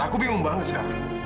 aku bingung banget sekarang